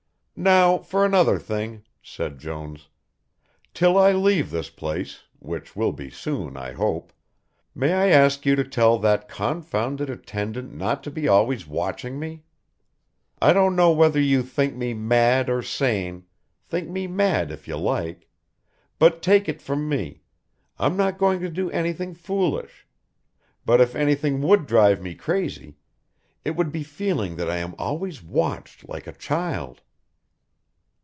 "Now for another thing," said Jones. "Till I leave this place, which will be soon, I hope, may I ask you to tell that confounded attendant not to be always watching me. I don't know whether you think me mad or sane, think me mad if you like, but take it from me, I'm not going to do anything foolish, but if anything would drive me crazy, it would be feeling that I am always watched like a child."